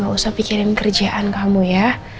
gak usah pikirin kerjaan kamu ya